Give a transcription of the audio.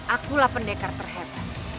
akulah pendekar terhebat